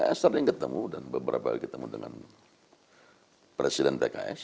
saya sering ketemu dan beberapa kali ketemu dengan presiden pks